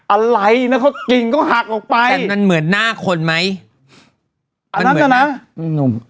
อะไรนะเขากิ่งเขาหักออกไปแต่มันเหมือนหน้าคนไหมอันนั้นนะนุ่ม